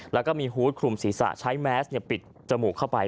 แล้วก็มีฮูตคลุมศีรษะใช้แมสปิดจมูกเข้าไป